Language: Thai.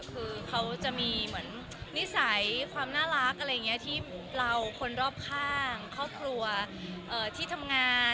คือเขาจะมีเหมือนนิสัยความน่ารักอะไรอย่างนี้ที่เราคนรอบข้างครอบครัวที่ทำงาน